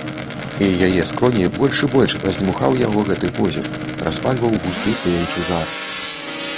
І яе скроні больш і больш раздзьмухаў яго гэты позірк, распальваў густы тлеючы жар.